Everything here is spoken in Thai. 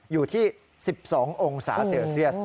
อยู่ที่๑๒องศาเซลเซียส